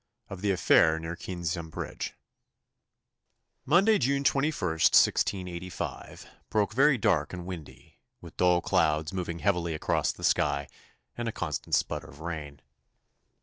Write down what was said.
Of the Affair near Keynsham Bridge Monday, June 21, 1685, broke very dark and windy, with dull clouds moving heavily across the sky and a constant sputter of rain.